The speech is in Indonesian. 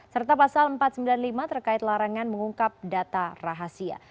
serta pasal empat ratus sembilan puluh lima terkait larangan mengungkap data rahasia